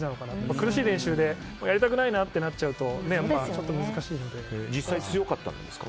苦しい練習でやりたくないなってなっちゃうと実際強かったんですか？